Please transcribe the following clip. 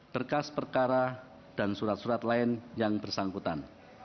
berkas perkara dan surat surat lain yang bersangkutan